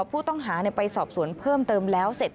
ผู้ต้องหาไปสอบสวนเพิ่มเติมแล้วเสร็จ